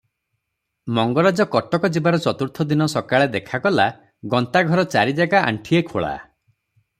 ମଙ୍ଗରାଜ କଟକ ଯିବାର ଚତୁର୍ଥ ଦିନ ସକାଳେ ଦେଖାଗଲା, ଗନ୍ତାଘର ଚାରିଜାଗା ଆଣ୍ଠିଏ ଖୋଳା ।